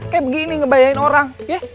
kayak begini ngebayangin orang